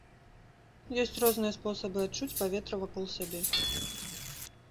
Ёсць розныя спосабы адчуць паветра вакол сябе.